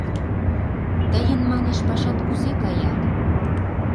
Тыйын, манеш, пашат кузе кая?